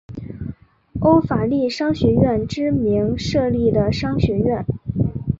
欧法利商学院之名设立的商学院。